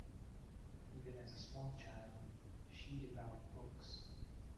Even as a small child she devoured books.